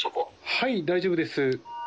はい、大丈夫です。